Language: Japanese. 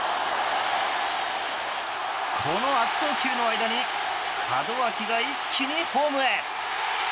この悪送球の間に門脇が一気にホームへ。